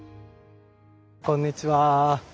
こんにちは。